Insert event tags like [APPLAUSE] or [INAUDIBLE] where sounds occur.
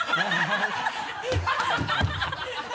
ハハハ [LAUGHS]